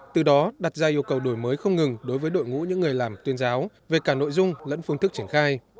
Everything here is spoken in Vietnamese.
từ đó đặt ra yêu cầu đổi mới không ngừng đối với đội ngũ những người làm tuyên giáo về cả nội dung lẫn phương thức triển khai